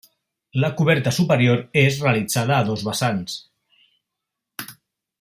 La coberta superior és realitzada a dos vessants.